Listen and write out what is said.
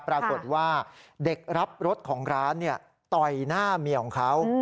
ปรากฏว่าเด็กรับรถของร้านต่อยหน้าเมียของเขา